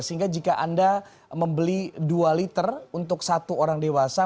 sehingga jika anda membeli dua liter untuk satu orang dewasa